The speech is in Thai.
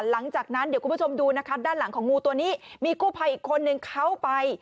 หลังจากนั้นเดี๋ยวคุณผู้ชมดูนะครับด้านหลังของงูตัวนี้มีกู้ภัยอีกคนนึงเข้าไป